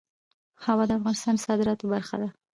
هوا د افغانستان د صادراتو برخه ده.